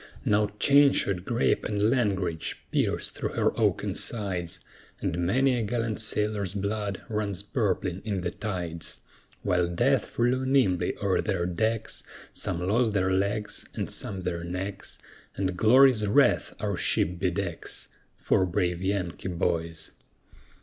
Now chain shot, grape, and langrage pierce through her oaken sides, And many a gallant sailor's blood runs purpling in the tides; While death flew nimbly o'er their decks, Some lost their legs, and some their necks, And Glory's wreath our ship be decks, For brave Yankee boys.